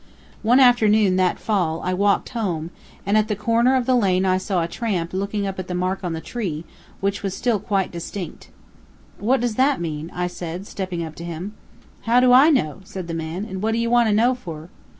One afternoon, that fall, I walked home, and at the corner of the lane I saw a tramp looking up at the mark on the tree, which was still quite distinct. "What does that mean?" I said, stepping up to him. "How do I know?" said the man, "and what do you want to know fur?"